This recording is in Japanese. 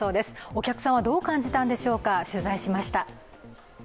お客さんはどう感じたんでしょうか、取材しました。